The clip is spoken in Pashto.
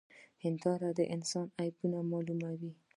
هنداره د انسان عيب معلوموي.